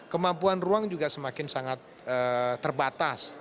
kemampuan ruang juga semakin sangat terbatas